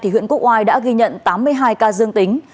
huyện quốc oai đã ghi nhận tám mươi hai ca dương tính